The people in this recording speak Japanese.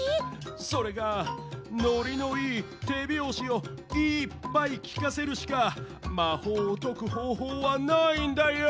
それがノリのいいてびょうしをいっぱいきかせるしかまほうをとくほうほうはないんだヨー！